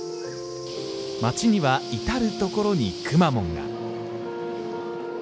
町には至るところに、くまモンが。